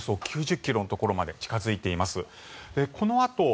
およそ９０ｋｍのところまで近付いています。